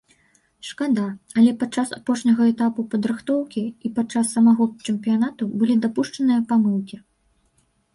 Шкада, але падчас апошняга этапу падрыхтоўкі, і падчас самога чэмпіянату былі дапушчаныя памылкі.